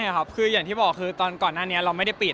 ใช่ครับคืออย่างที่บอกคือตอนก่อนหน้านี้เราไม่ได้ปิด